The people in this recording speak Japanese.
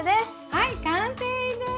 はい完成です！